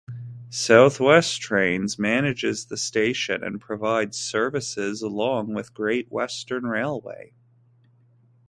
South West Trains manages the station and provides services along with Great Western Railway.